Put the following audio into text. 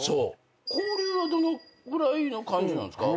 交流はどのぐらいの感じなんですか？